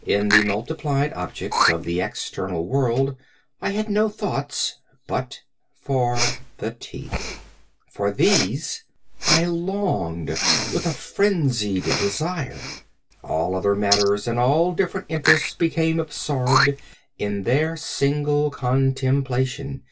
In the multiplied objects of the external world I had no thoughts but for the teeth. For these I longed with a phrenzied desire. All other matters and all different interests became absorbed in their single contemplation.